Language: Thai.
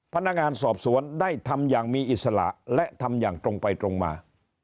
พนักงานสอบสวนได้ทำอย่างมีอิสระและทำอย่างตรงไปตรงมา